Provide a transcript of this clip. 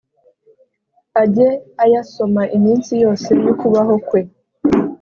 ajye ayasoma iminsi yose y’ukubaho kwe,